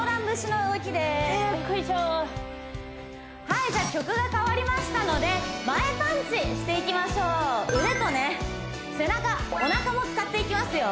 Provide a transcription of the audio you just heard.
はいじゃ曲が変わりましたので前パンチしていきましょう腕とね背中お腹も使っていきますよ